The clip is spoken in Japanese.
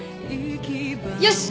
よし！